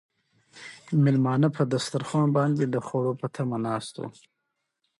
مېلمانه په دسترخوان باندې د خوړو په تمه ناست وو.